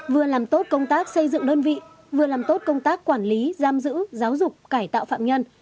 vừa làm tốt công tác xây dựng đơn vị vừa làm tốt công tác quản lý giam giữ giáo dục cải tạo phạm nhân